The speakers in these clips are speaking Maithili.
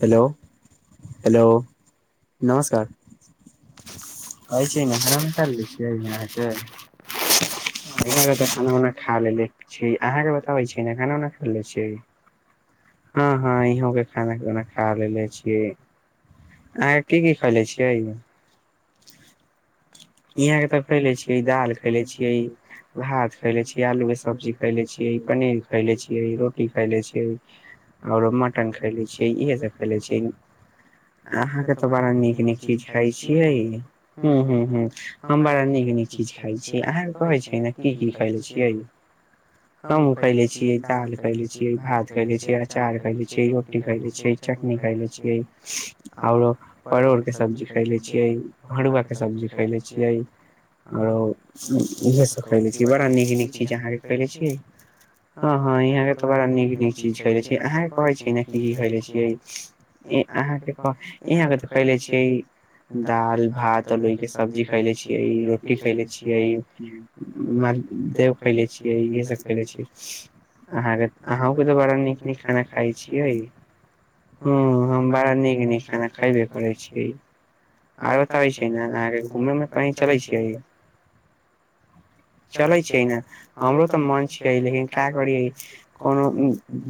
हेलो हेलो नमस्कार कहैछी न खाना ऊना खा लेने छीयै अहाँक यहाँ त खाना ऊना खा लेले छीयै अहाँक बताबै छी न खाना ऊना खा लेले छीयै हँ हँ यहों के खान खा लेने छियै अहाँके की की खैले छियै इहाँके खैले छियै दाल खैले छियै भात खैले छियै आलू के सब्जी खैले छियै पनीर खैले छियै रोटी खैले छियै आओरो मटन खैेले छियै इहे सब खैले छियै अहाँ के तऽ बड़ा नीक नीक चीज खाइ छियै हूँ हूँ हूँ [unintelligible] खैले छियै आरों इहाए सब खैले छियै बड़ा नीक नीक चीज अहाँ के खैले छियै हाँ हाँ इहाँके त बड़ा बड़ा नीक नीक चीज खैले छियै अहाँके कहै छी न की की खैले छियै अहाँ के तऽ इहाँके तऽ खैले छियै दालि भात आ लोइ के सब्जी खैले छियै रोटी खैले छियै मालदेह खैले छियै इहेए सब खैले छियै अहाँ अहूँके तऽ बड़ा नीक नीक खाना खाइ छियै हूँ हम बड़ा नीक नीक खाना खैबे करै छियै आरो बताबै छियै न अहाँके [unintelligible] चलै छैै न हमरो तऽ मन छै लेकिन का करियै कोनो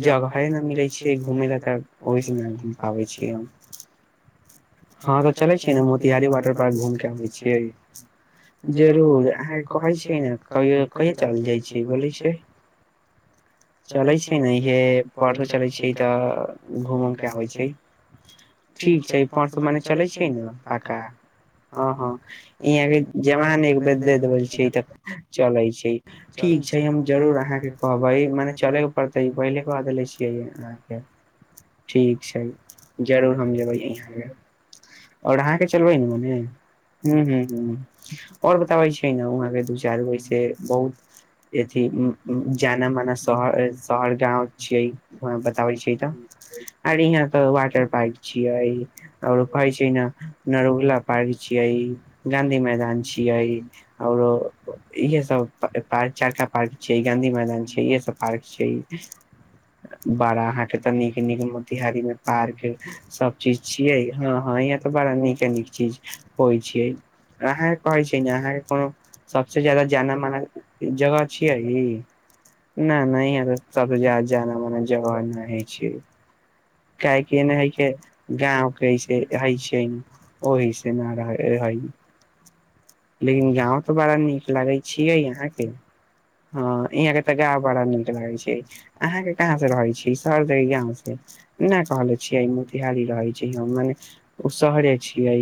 जगहे नहि मिलै छै घूमै ला तऽ ओहिसँ नहि घूम पाबै छियै हम [unintelligible] परसु मने चले छै ने पका हाँ हाँ अहाँ के के जुवान एक बेर दे देबल छै तऽ चलइ छै छै ठीक छै हम जरूर अहाँ के कहबै मने चलै के पड़ते पहिले कह देले छियै अहाँ के ठीक छै जरूर हम जेबै इहाँ आओर अहाँके चलबै न मने हूँ हूँ हूँ आओर बताबै छै न वहाँके दू चारि गो ऐसे [unintelligible] [unintelligible] [unintelligible] [unintelligible] [unintelligible] काहे की नहि हइ के गाँवके ऐसे हइ छै ओह से न रहै हइ लेकिन गाँंव तऽ बड़ा नीक लागै छियै अहाँके हाँ इहाँ के तऽ गाँव बड़ा नीक लागै छै अहाँ के कहाँ से रहै छै शहर के गाँंव से ने कहले छियै मोतिहारी रहै छै हम मने ओ शहरे छियै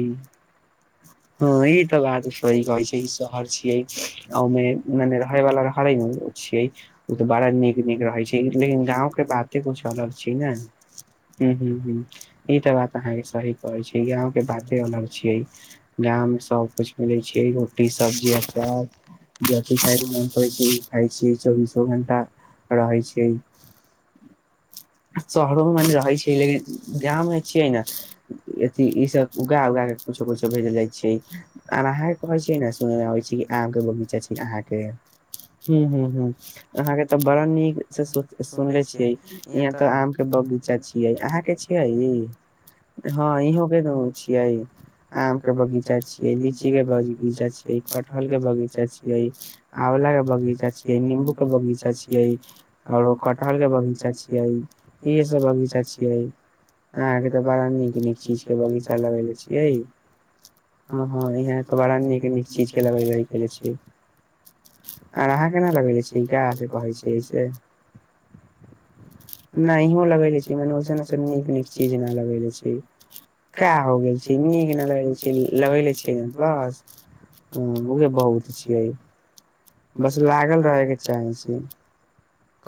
हँ ई तऽ बात कहै छै शहर छियै ओमे मने रहै वाला रह छियै ओ तऽ बड़ा नीक नीक रहै छै लेकिन गाँंव के बाते कलग छै ने ह ह ह ई तऽ बात अहाँ के सही करे छै गांव के बाते अलग छीे गांव में सब कुछ लै छियै रोटी सब्जी अचार जथि खाइके मोन करै छै ओ खाइ छियै चौबीसो घण्टा रहै छियै शहरोमे मने रहै छै लेकिन गाममे छियै न अथि ईसभ उगा उगा कऽ कुछो कुछो भेजल जाइ छियै आर अहाँके कहै छियै ने सुनैमे अबै छै अहाँके बगीचा छै अहाँके हूँ हूँ हूँ अहाँके तऽ बड़ा नीकसँ सुनले छियै यहा तऽ आम के बगीचा छीिये अहां के छीिये ह इहों के छीिये आम के बगीचा छीये लीची के बगीचा छीये कटहल के बगीचा छीये आँवला के बगीचा छीये नींबू के बगीचा छये आऔरो कटहल के बगीचा छ इहे सब बगीचा छियै अहाँके तऽ बड़ा नीक नीक चीजके बगीचा लगे छियै हँ हँह तऽ बड़ा नीक नीक चीज आर अहाँ केना लगे छियै्य कहै छ नहिो लगे छीस नीक नीक चीज न लगे छै क हो गेल छै न लगे छी बस उ बहुत छिय बस लागल रहे के चाहे छी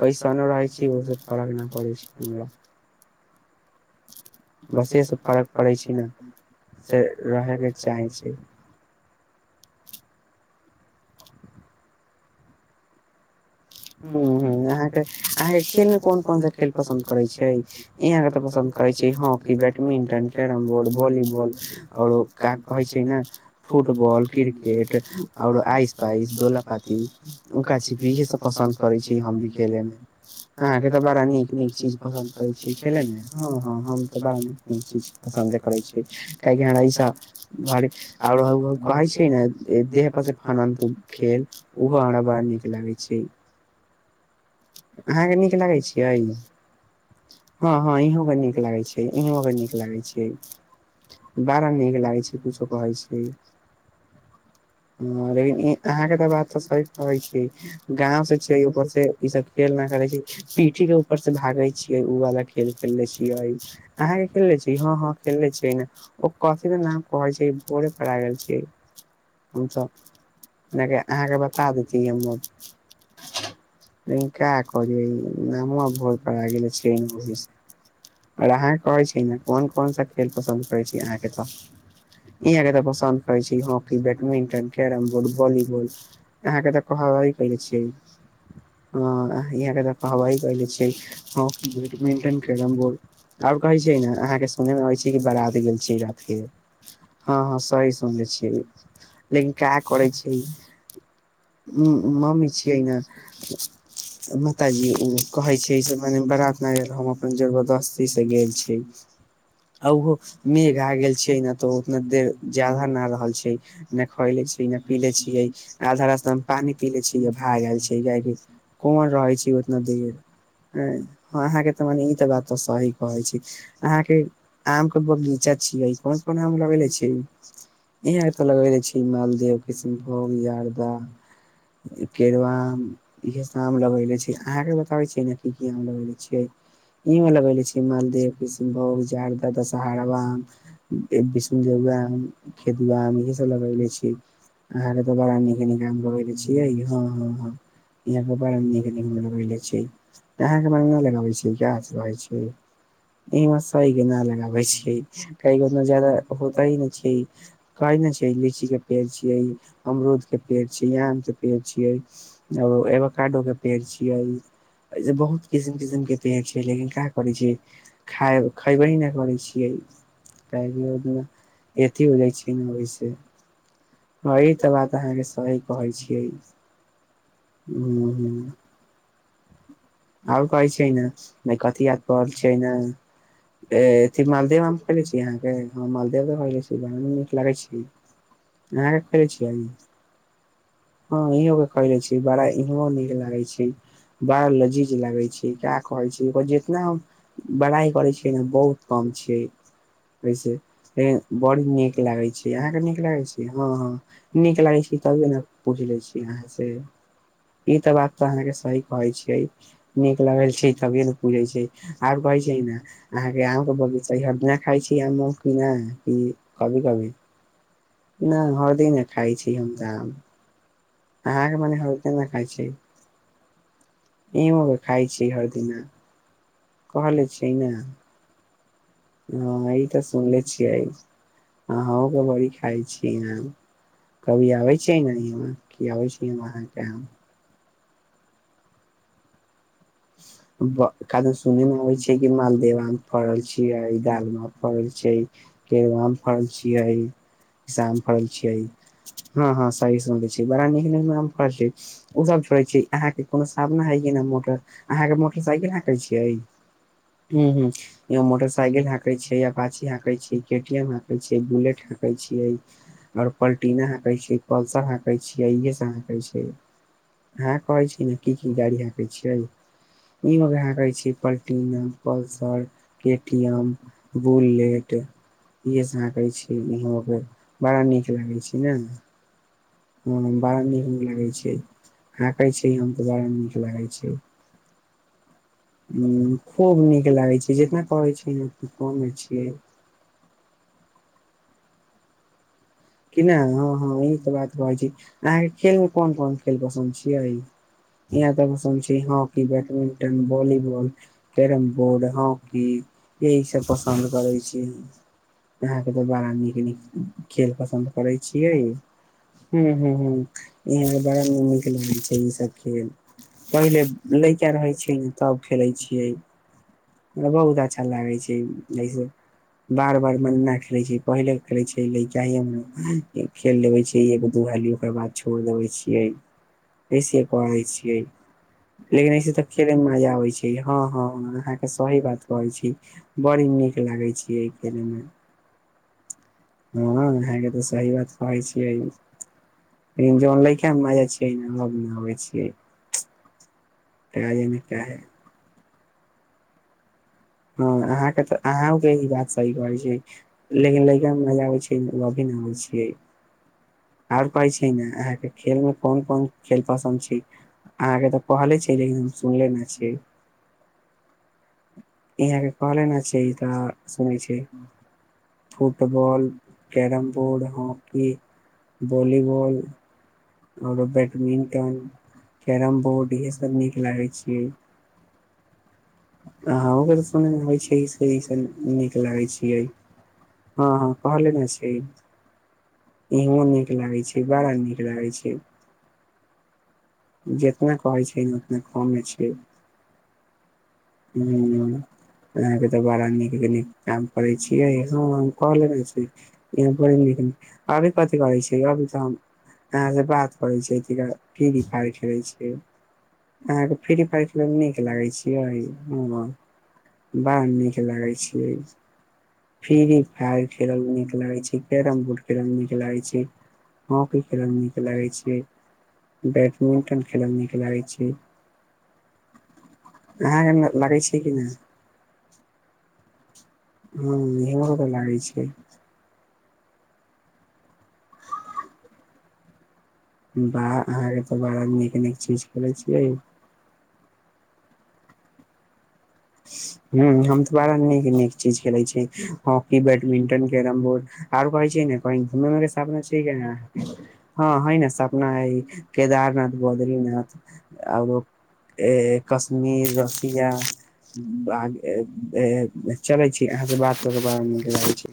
कैसनो रहै छी फरक नहि परे छे हमरा बसेसँ फरक पड़ै छै ने से रहयके चाहै छी हँ अहाँके अहाँके खेलमे कोन कोन सा खेल पसन्द करैत छै इहाँके तऽ पसन्द करैत छै hockey badminton carrom board volleyball आओरो क कहैत छै ने फुटबॉल क्रिकेट आओर आइस पाइस दोलापाती उका छिपी इह सभ पस करे छी हम भी खेले मे अहााँ के तऽ बड़ा नीक नीक चीज पसद करे छी खेले मे ह ह हम बड़ा न न चीज पस करे छी काहेकि हमरा ईसा आर कहै छै ने देह पर फतू खेल उहो हमरा बड़ा नीक लागे छै जी अहाँके नीक लागे छै हँ हँ इहो नीक लागे छै इहो नीक लागे छै बड़ा नीक लाग छै किछो कहै छै लेकिन अहाँ के तऽ बात तऽ कहै छै ग छैपर से ई खेल छै पीठी के ऊपर से भागे छियै ओ वाला खेल खेले छियै अहाँ के खेले छी ह ह खेले छियै कफी दह छै बोरे पर आ गेल छस नहि अहाँके बता देति हम म ा कह नामो भोर गेल छै आर अहाँ कहै छै ने कोन कोन सा खेल पसन्द करै छै अहाँके तऽ इहाँके त पसन्द करै छै hockey badminton carrom board volleyball अहाँके तऽ कह च हँ छी इहाँके तऽ कहबे कले छियै हॉकी बैडमिंटन कैरम बोर्ड आओर कहैत छै ने अहाँके सुनैमे अबै छै कि बारात गेल छी रातिके हँ हँ सही सुनिले छियै लेकिन क्य करै छी ह मम्मी छै के माताजी कहे छै से मने बारात न हम अपन जबरदस्ती से गेल छै आ ओहो मेघ आ गेल छै ने तऽ उतना देर ज्यदाा ना रहल छै ने खैले छै ने पी ले छियै आधा रासा हम पानि पी ले छीियै भए गेल छै क कोन रहे छै उतना देर अहाँ के तऽ मने ई त बात त सही कहे छै अहा के आम के बगीचा छीिय कोन कोन आम लगेेले छी इह त लगेेले छी मालदे किष्म भोगजारदा केदवम इहसभ आम लगयले छी अहाँके बताबै छियै ने की की आम लगेले छियै इह लगयले छियै मालदे कभोगार दशहराा आ विष्णुदेवग आम खदम इहसभ लगले छीियै अहाँके तऽ बड़ा नीक नीक आम लगेले छियै, हँ। ह्म ह्म, ई अहाँके बड़ा नीक - नीक लगबैले छै। त अहाँक [unintelligible] नै लगवाबै छियै गाछ? कहै छिये, ई मास मे न लगाबै छियइ। अइ मासमे जादा होइते नै छै। पारने छियै लीचीके पेड़ छै। छी अमरूद के पेड़ छीय आम के पेड़ छयै आर एबोकडो के पेड़ छियै। ऐसे बहुत किसिम - किसिमके पेड़ छियै, लेकिन कहाँ करै छियै। खाइब खयबे ही नहि करै छियै। काहेकि अथी हो जाइ छै ने ओहिसे। ह, तऽ बात अहाँके सही कहै छियै। ह्म ह्म। आओर कहै छियै ने कथी याद पड़ल छियै ने अ अथि मालदेव खइले छी अहाँके? ह मालदेवे कहै छै। नीक लागै छी। अहाँके खैले छियै ई? हाँ इहो के खैले छी बड़ा इहो नीक लागै छै। बड़ा लजीज लागै छै। का कहै छी ओकर जितना हम बड़ाई करै छियै ने, बहुत कम छियै। ऐसे उम्म लेकिन बड़ नीक लागे छिये। अहाँके नीक लागे छै? हँ हँ, नीक लागे छै तभीए ने पूछि लै छी अहाँसे। ई तऽ बात तऽ अहाँके सही कहै छियै। नीक लागल छै तभिए ने पूछै छै। आओर कहै छै ने अहाँके आमके बगीचा अइ, हरदिना खाइ छी आम-उम कि नै, कभी-कभी? नहि हरदिने खाय छी हम त आम। अहाँके मने हर केना खाय छै? [unintelligible] खाइ छियै ह। कहले छियै ने। ह ह, ई तऽ सुनले छियै। अहाँओके बड़ी खाइ छियै आम। कभी आबै छियै नै इमहर, खिआबै छी हम अहाँके आम। ब कादन सुनैमे अबै छै कि मालदेव आम फड़ल छियै, गाल म फड़ल छै, केेल आम फड़ल छियै, साम फड़ल छियै। हँ हँ, सही सुनले छियै। बड़ा नीक नीक मे आम फड़ल छै। ओ सब छोड़े छै। अहाँके कोनो साधना हय कि न मोटर अहाँके मोटरसाइकिल हाँकै छियै। ह्म ह्म, य मोटरसाइकिल हकै छियै, अपाची हाँकै छियै, के टी एम हकै छियै, बुलेट हाँकै छियै आओर पलटीना हाँकै छियै, पल्सर हकै छियै। इहे सब हाँकैत छै। अहाँ कहै छी कि ने की की गाड़ी हकै छियै? इहो के हांकै छियै Platina, Pulsar, K T M, Bullet, इहेसभ हंकै छी। इहो भेल बड़ा नीक लगै छै ने। ह्म, बड़ा नीक लागै छै ने। हांकै छी हम त बड़ा नीक लागै छै। ह्म, खूब नीक लागै छै। जितना कहै छी हम उतना कमे छियै। कि ने? हँ हँ, अहींके बात कहै छी। अहाँके खेलमे कोन-कोन खेल पसन्द छियै? यहाँ तऽ पसन्द छै hockey, badminton, volleyball, carrom board, hockey, येही सब पसन्द करैत छी हम। अहाँके तऽ बड़ा नीक नीक खेल पस पसन्द करै छियै। ह्म ह्म ह्म, इहाँके बड़ा नीक लागै छै ई सब खेल। पहिले लैका रहै छै ने तब खेलै छियै। बहुत अच्छा लागै छै ई। कि सब बार बार मना खेलै छै पहिले खेलै छै लैकी। [unintelligible] खेल लेबै छियै एक-दू भैलू ओकर बाद छोइड़ देबै छियै। ऐसे करै छियै। लेकिन ऐसे तऽ खेलैमे मजा अबै छै। हँ हँ हँ अहाँके सही बात कहै छी। बड़ी नीक लागै छियै खेलैमे। [unintelligible] भए गेल। सही बात कहै छियै, लेकिन जन लैकामे मजा छियै न ओ नहि आबै छियै। [unintelligible] ने काहे। हाँ अहाँके तऽ अंहूँ के ही बात सही कहै छै लेकिन लड़कामे मजा आबै छै ओ अभी न होइ छियै [unintelligible] [unintelligible] इहाँके कहले न छै ई तऽ सुनै छै football carrom board hockey volleyball औरो बैडमिंटन, कैरम बोर्ड, इहेसभ नीक लागै छियै। हं, ओकर सुनेमे होइ छै से ईसब नीक लागै छियै। हँ हँ कहले ने छै ई। इहो नीक लागै छै। बड़ा नीक लागै छै। जितना कहै छै उतना कमे छियै हूँ हूँ अहाँके तऽ बड़ा नीक काम करै छियै हम कहले छी इहाँ बड़ी नीक नीक अभी कथि करै छियै अभी तऽ हम अहाँ से बात करै छियै की [unintelligible] [unintelligible] [unintelligible] अहाँके लागै छियै की ना हूँ इहो लागै छियै वाह अहाँके तऽ बड़ा नीक नीक चीज खेलै छियै हूँ हम तऽ बड़ा नीक नीक चीज खेलै छियै हॉकी बैडमिंटन कैरम बोर्ड आर कहै छै न कहीं घूमे उमे के सपना छै न हाँ हइ न सपना हइ केदारनाथ बद्रीनाथ आरो कश्मीर रसिया [unintelligible]